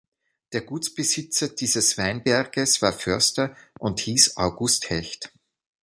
Der Gutsbesitzer dieses Weinberges war Förster und hieß August Hecht.